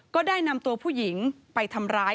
ก็ได้นำตัวผู้หญิงไปทำร้าย